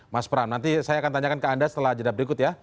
mas pram nanti saya akan tanyakan ke anda setelah jeda berikut ya